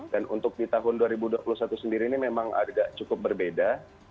dan untuk di tahun dua ribu dua puluh satu sendiri ini memang agak cukup berbeda